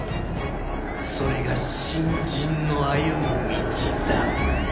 それが新人の歩む道だ。